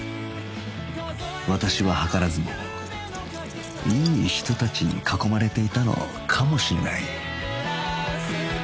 私は図らずもいい人たちに囲まれていたのかもしれない